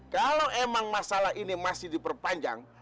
kalau emang masalah ini masih diperpanjang